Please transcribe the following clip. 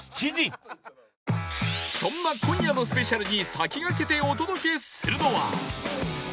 そんな今夜のスペシャルに先駆けてお届けするのは